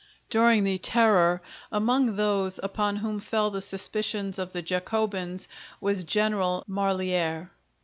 During the Terror, among those upon whom fell the suspicions of the Jacobins was General Marlière.